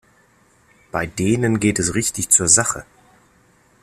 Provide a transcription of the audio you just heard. Bei denen geht es richtig zur Sache.